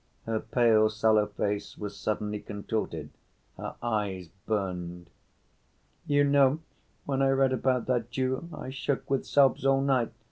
Her pale, sallow face was suddenly contorted, her eyes burned. "You know, when I read about that Jew I shook with sobs all night.